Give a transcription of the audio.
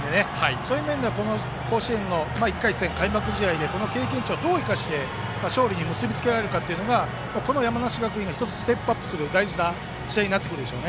そういう面ではこの甲子園の１回戦、開幕試合でその経験値をどう生かして勝利に結び付けられるかがこの山梨学院が１つステップアップするための大事な試合になってくるでしょう。